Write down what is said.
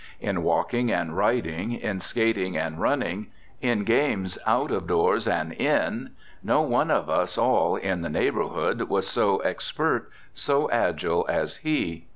In walking and riding, in skating and running, in games out of doors and in, no one of us all in the neighborhood was so expert, so agile as he.